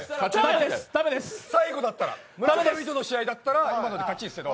村上との試合だったら今ので勝ちですけど。